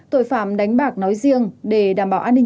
tội phạm đánh bạc nói riêng để đảm bảo an ninh